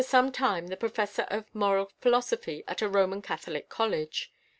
He was for some time the Professor of Moral Philosophy at a Roman Catholic College.